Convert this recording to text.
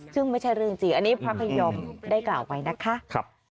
ซึ่งไม่ใช่เรื่องจริงอันนี้พระพยอมได้กล่าวไว้นะคะ